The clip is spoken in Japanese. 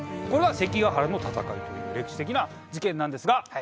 これが関ヶ原の戦いという歴史的な事件なんですが。